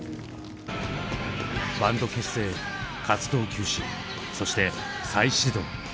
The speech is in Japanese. バンド結成活動休止そして再始動。